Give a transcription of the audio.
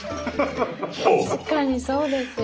確かにそうですよ。